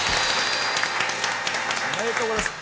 おめでとうございます。